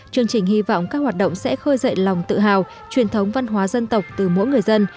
chương trình hy vọng các hoạt động sẽ khơi dậy lòng tự hào truyền thống văn hóa dân tộc từ mỗi người dân